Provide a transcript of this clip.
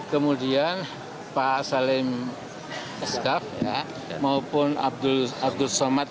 kemudian pak salim eskaf maupun abdul somad